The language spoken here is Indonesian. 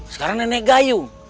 sekarang nenek gayung